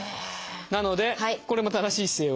なのでこれも正しい姿勢を。